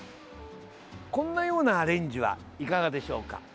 こんなようなアレンジはいかがでしょうか。